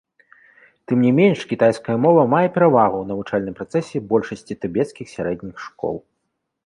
Тым не менш, кітайская мова мае перавагу ў навучальным працэсе большасці тыбецкіх сярэдніх школ.